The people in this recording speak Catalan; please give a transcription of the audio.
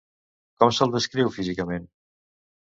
Com se'l descriu físicament?